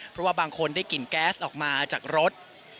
เพราะว่าบางคนได้กลิ่นแก๊สออกมาจากรถ